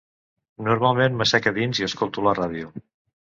Normalment m'assec a dins i escolto la ràdio.